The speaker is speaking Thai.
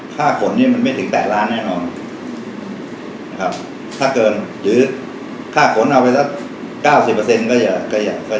ค่าขนเนี่ยมันไม่ถึง๘ล้านแน่นอนถ้าเกินหรือค่าขนเอาไป๙๐ก็อย่าย้ายเลยนะครับ